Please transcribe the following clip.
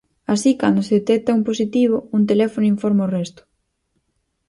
Así, cando se detecta un positivo, un teléfono informa o resto.